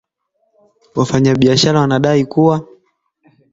Wafanyabiashara wanadai kuwa